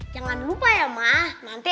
jangan lupa ya mah nanti